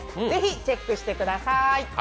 是非、チェックしてください。